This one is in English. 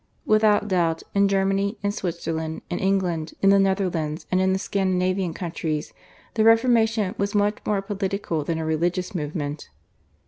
Without doubt, in Germany, in Switzerland, in England, in the Netherlands, and in the Scandinavian countries, the Reformation was much more a political than a religious movement.